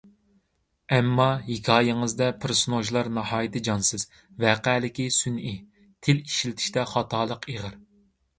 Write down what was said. ئەمما ھېكايىڭىزدە پېرسوناژلار ناھايىتى جانسىز، ۋەقەلىكى سۈنئىي، تىل ئىشلىتىشتە خاتالىق ئېغىر.